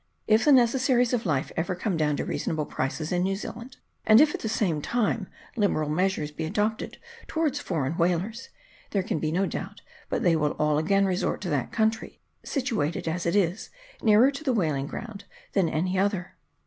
If the necessaries of life ever come down to reasonable prices in New Zealand, and if at the same time liberal measures be adopted towards foreign whalers, there can be no doubt but they will all again resort to that country, situated as it is nearer to the whaling ground than any other.